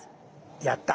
やった。